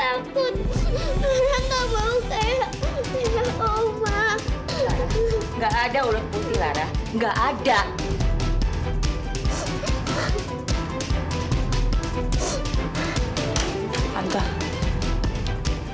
tante jangan bilang kalau tante ada hubungannya sama kematian nenek